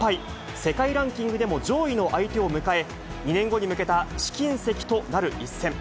世界ランキングでも上位の相手を迎え、２年後に迎えた試金石となる一戦。